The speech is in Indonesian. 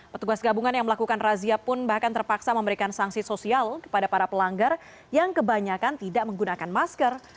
petugas gabungan yang melakukan razia pun bahkan terpaksa memberikan sanksi sosial kepada para pelanggar yang kebanyakan tidak menggunakan masker